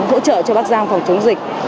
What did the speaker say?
hỗ trợ cho bắc giang phòng chống dịch